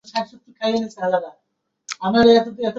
এটা বরিশাল বিভাগের অন্তর্গত ভোলা জেলার বেশীরভাগ এলাকা জুড়ে অবস্থিত।